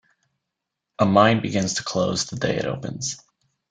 A mine begins to close the day it opens.